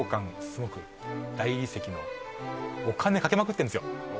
すごく大理石のお金かけまくってんですよ